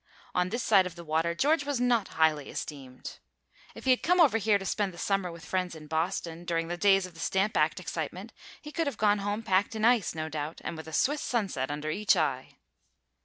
On this side of the water George was not highly esteemed. If he had come over here to spend the summer with friends in Boston, during the days of the stamp act excitement, he could have gone home packed in ice, no doubt, and with a Swiss sunset under each eye.